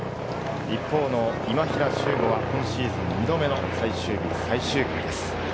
一方の今平周吾は今シーズン２度目の最終日最終組です。